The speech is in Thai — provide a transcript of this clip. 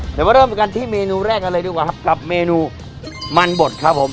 เดี๋ยวมาเริ่มกันที่เมนูแรกกันเลยดีกว่าครับกับเมนูมันบดครับผม